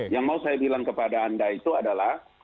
yang mau saya bilang kepada anda itu adalah